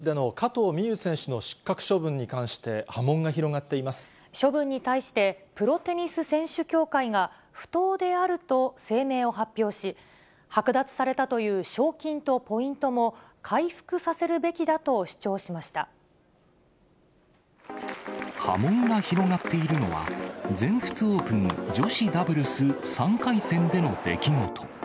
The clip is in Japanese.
テニス全仏オープン女子ダブルスでの加藤未唯選手の失格処分に関処分に対して、プロテニス選手協会が不当であると声明を発表し、剥奪されたという賞金とポイントも、回復させるべきだと主張しま波紋が広がっているのは、全仏オープン女子ダブルス３回戦での出来事。